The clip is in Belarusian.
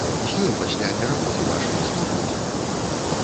З ёй пасля перамогі вашай, што будзе?